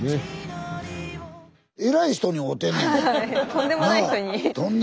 とんでもない人に。